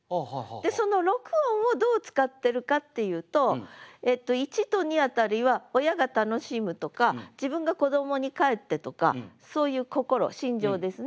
その６音をどう使ってるかっていうと１と２辺りは「親が楽しむ」とか「自分が子どもに返って」とかそういう心心情ですね。